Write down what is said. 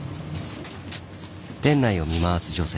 店内を見回す女性。